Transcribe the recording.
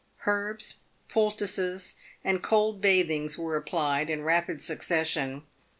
Herbs, poultices, and cold bathings were applied in rapid succession.